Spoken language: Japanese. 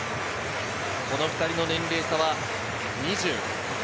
この２人の年齢差は２０。